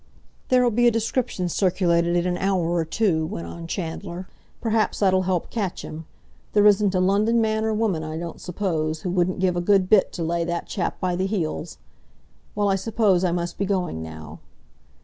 "There'll be a description circulated in an hour or two," went on Chandler. "Perhaps that'll help catch him. There isn't a London man or woman, I don't suppose, who wouldn't give a good bit to lay that chap by the heels. Well, I suppose I must be going now."